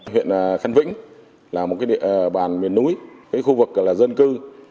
huyện khánh vĩnh là một địa bàn miền núi khu vực dân cư